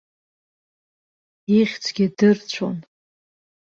Ихьӡгьы дырцәон.